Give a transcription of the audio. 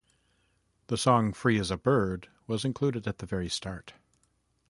The song "Free as a Bird" was included at the very start.